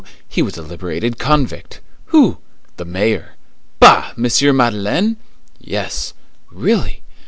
He was a liberated convict!" "Who?" "The mayor." "Bah! M. Madeleine?" "Yes." "Really?"